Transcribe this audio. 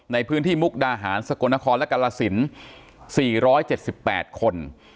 ในพื้นที่มุกดาหารสกลนครและกาลสิน๔๗๘คน